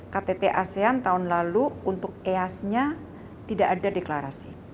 ktt asean tahun lalu untuk easnya tidak ada deklarasi